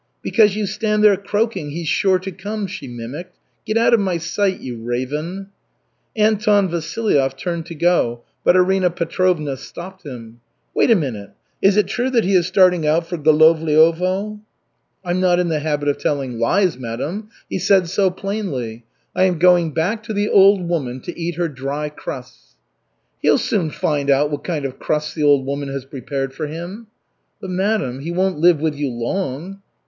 "Because you stand there croaking: 'He's sure to come,'" she mimicked. "Get out of my sight, you raven!" Anton Vasilyev turned to go, but Arina Petrovna stopped him: "Wait a minute. Is it true that he is starting out for Golovliovo?" "I'm not in the habit of telling lies, madam. He said so plainly 'I am going back to the old woman to eat her dry crusts.'" "He'll soon find out what kind of crusts the old woman has prepared for him." "But, madam, he won't live with you long."